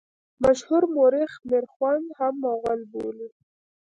مشهور مورخ میرخوند هم مغول بولي.